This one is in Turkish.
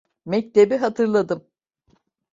Mektebi hatırladım.